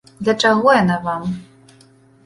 Для чаго яна вам?